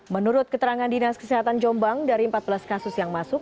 menurut keterangan dinas kesehatan jombang dari empat belas kasus yang masuk